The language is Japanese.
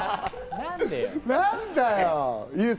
何だよ！